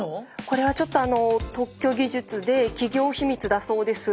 これはちょっとあの特許技術で企業秘密だそうです。